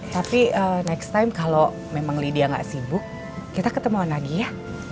tapi next time kalau memang lidia gak sibuk kita ketemu lagi ya